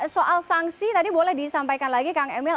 soal sanksi tadi boleh disampaikan lagi kang emil